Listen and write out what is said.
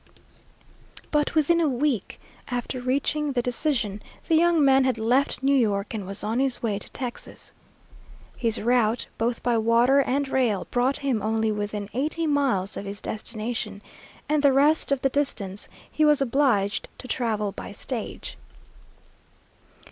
But within a week after reaching the decision, the young man had left New York and was on his way to Texas. His route, both by water and rail, brought him only within eighty miles of his destination, and the rest of the distance he was obliged to travel by stage.